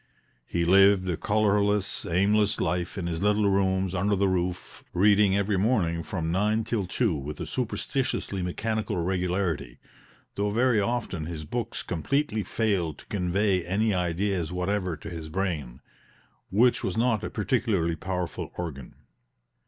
He lived a colorless, aimless life in his little rooms under the roof, reading every morning from nine till two with a superstitiously mechanical regularity, though very often his books completely failed to convey any ideas whatever to his brain, which was not a particularly powerful organ.